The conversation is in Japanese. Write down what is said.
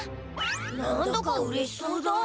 何だかうれしそうだ。